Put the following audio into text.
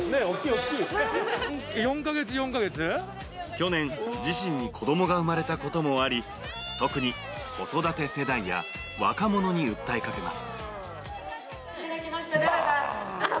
去年、自身に子供が生まれたこともあり特に子育て世代や若者に訴えかけます。